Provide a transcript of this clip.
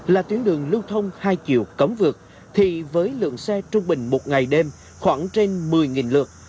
là tuyến đường lưu thông hai chiều cấm vượt thì với lượng xe trung bình một ngày đêm khoảng trên một mươi lượt